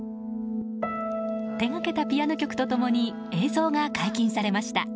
手掛けたピアノ曲と共に映像が解禁されました。